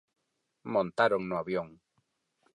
Montaron no avión.